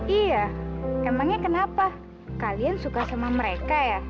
iya emangnya kenapa kalian suka sama mereka ya